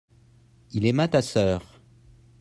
il aima ta sœur.